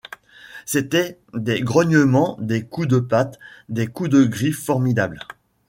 C’étaient des grognements, des coups de pattes, des coups de griffes formidables!